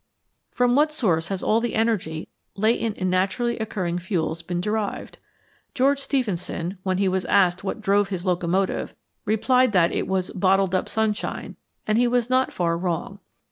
From what source has all the energy latent in naturally occurring fuels been derived ? George Stephenson, when he was asked what drove his locomotive, replied that it was "bottled up sunshine," and he was not far wrong.